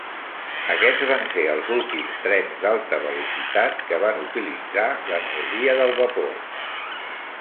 Aquests van ser els últims trens d'"alta velocitat" que van utilitzar l'energia del vapor.